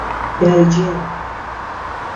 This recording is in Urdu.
بیلجیم